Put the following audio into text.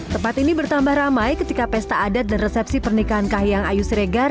tempat ini bertambah ramai ketika pesta adat dan resepsi pernikahan kahiyang ayu siregar